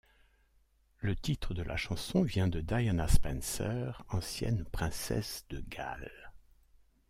Le titre de la chanson vient de Diana Spencer, ancienne princesse de Galles.